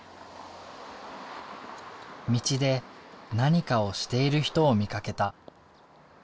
道で何かをしている人を見かけた。